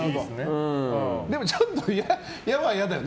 でもちょっと嫌は嫌だよね。